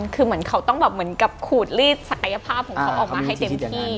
คือเหมือนเขาต้องกับขูดรีดศักยภาพของเขาออกมาให้เต็มขี้